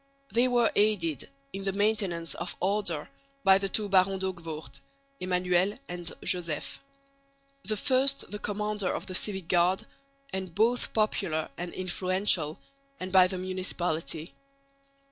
They were aided, in the maintenance of order, by the two Barons D'Hoogvoort (Emmanuel and Joseph), the first the commander of the civic guard, and both popular and influential, and by the municipality.